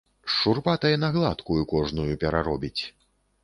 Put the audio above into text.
З шурпатай на гладкую кожную пераробіць.